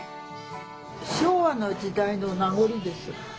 昭和の時代の名残です。